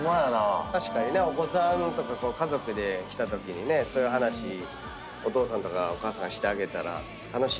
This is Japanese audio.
確かにねお子さんとか家族で来たときにねそういう話お父さんとかお母さんしてあげたら楽しいかもね。